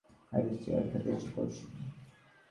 একটা সিগারেট খেতে ইচ্ছা করছে।